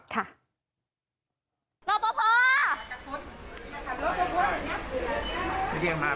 ไปเยี่ยมมาก